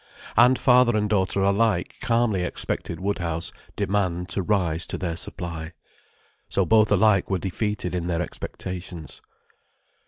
And father and daughter alike calmly expected Woodhouse demand to rise to their supply. So both alike were defeated in their expectations.